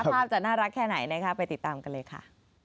ภาพจะน่ารักแค่ไหนนะคะไปติดตามกันเลยค่ะ